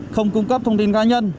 không cung cấp thông tin cá nhân